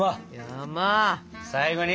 最後に！